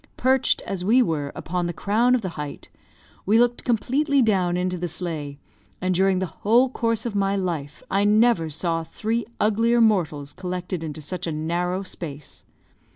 Perched, as we were, upon the crown of the height, we looked completely down into the sleigh, and during the whole course of my life I never saw three uglier mortals collected into such a narrow space.